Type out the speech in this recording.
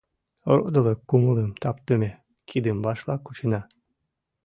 Родылык кумылым таптыме, Кидым вашла кучена.